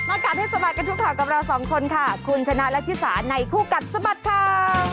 มากลับให้สบายกันทุกครั้งกับเราสองคนค่ะคุณชนะและชิสาในคู่กัดสบัดคลัง